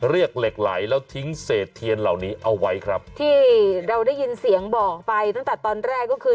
เหล็กไหลแล้วทิ้งเศษเทียนเหล่านี้เอาไว้ครับที่เราได้ยินเสียงบอกไปตั้งแต่ตอนแรกก็คือ